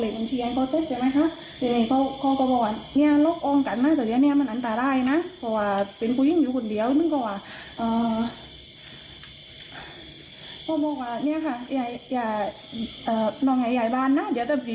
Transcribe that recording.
แต่เจ็งความเขาตายไหนเลยแต่นี้เราก็ไม่เจ็งไม่ได้